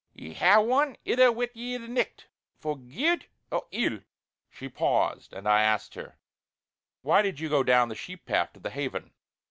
Ye hae one ither wi' ye the nicht; for gude or ill." She paused, and I asked her: "Why did you go down the sheep path to the Haven.